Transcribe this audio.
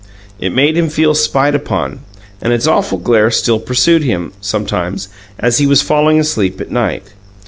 It made him feel spied upon, and its awful glare still pursued him, sometimes, as he was falling asleep at night.